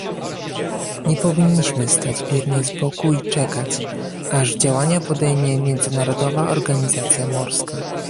Nie powinniśmy stać biernie z boku i czekać, aż działania podejmie Międzynarodowa Organizacja Morska